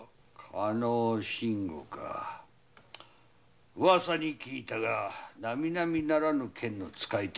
加納信吾かウワサに聞いたがなみなみならぬ剣の使い手らしいな。